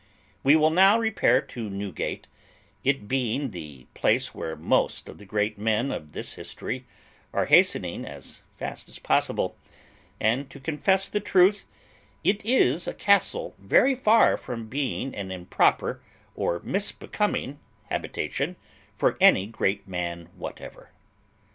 We will now repair to Newgate, it being the place where most of the great men of this history are hastening as fast as possible; and, to confess the truth, it is a castle very far from being an improper or misbecoming habitation for any great man whatever.